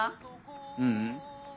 ううん。